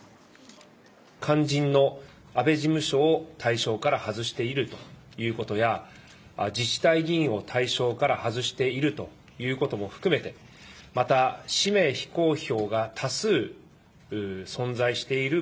肝心の安倍事務所を対象から外しているということや、自治体議員を対象から外しているということも含めて、また氏名非公表が多数存在している。